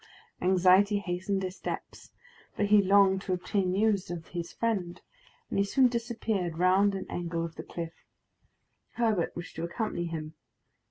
Anxiety hastened his steps, for he longed to obtain news of his friend, and he soon disappeared round an angle of the cliff. Herbert wished to accompany him.